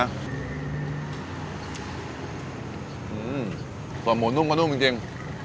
อืมส่วนหมูนุ่มก็นุ่มจริง